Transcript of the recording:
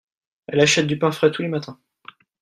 elle achète du pain frais tous les matins.